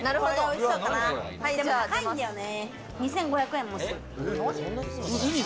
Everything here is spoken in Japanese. でも高いんだよね。